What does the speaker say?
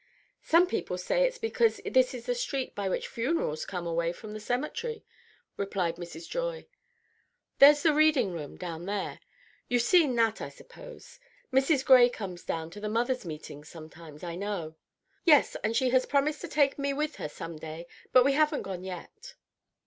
"Some people say it's because this is the street by which funerals come away from the Cemetery," replied Mrs. Joy. "There's the Reading room down there. You've seen that, I suppose. Mrs. Gray comes down to the mothers' meetings sometimes, I know." "Yes; and she has promised to take me with her some day, but we haven't gone yet."